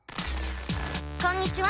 こんにちは。